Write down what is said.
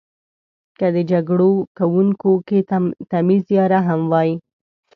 که د جګړو کونکیو کې تمیز یا رحم وای.